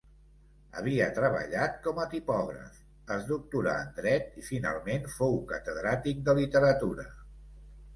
Havia treballat com a tipògraf, es doctorà en dret i finalment fou catedràtic de literatura.